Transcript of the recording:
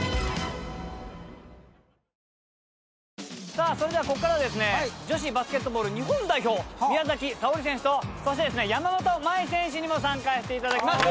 さあそれではここからは女子バスケットボール日本代表宮崎早織選手とそして山本麻衣選手にも参加していただきます。